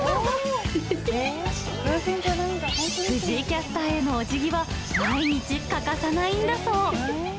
藤井キャスターへのおじぎは毎日欠かさないんだそう。